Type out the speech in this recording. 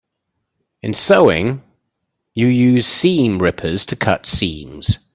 In sewing, you use seam rippers to cut seams.